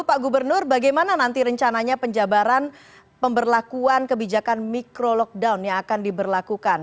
pak gubernur bagaimana nanti rencananya penjabaran pemberlakuan kebijakan micro lockdown yang akan diberlakukan